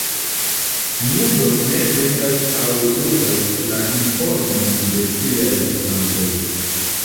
Nubo ne vendas aŭ uzas la informojn de siaj uzantoj.